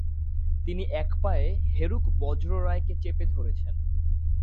তিনি এক পায়ে হেরুক-বজ্ররায়কে চেপে ধরেছেন।